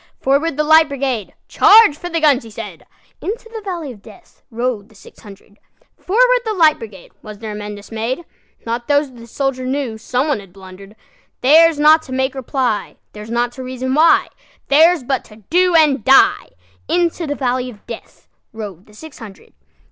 "Forward, the Light Brigade! Charge for the guns!" he said:Into the valley of DeathRode the six hundred."Forward, the Light Brigade!"Was there a man dismay'd? Not tho' the soldier knewSome one had blunder'd:Theirs not to make reply, Theirs not to reason why, Theirs but to do and die:Into the valley of DeathRode the six hundred.